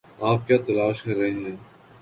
آپ کیا تلاش کر رہے ہیں؟